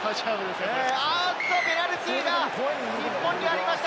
ペナルティーが日本にありました。